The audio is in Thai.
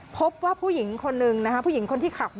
พบว่าผู้หญิงคนหนึ่งผู้หญิงคนที่ขับ